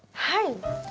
はい。